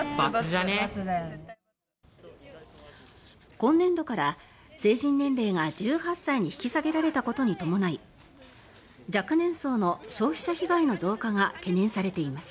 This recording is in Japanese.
今年度から成人年齢が１８歳に引き下げられたことに伴い若年層の消費者被害の増加が懸念されています。